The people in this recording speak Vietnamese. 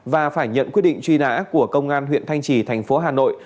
và phải nhận quyết định truy nã của công an huyện thanh trì thành phố hà nội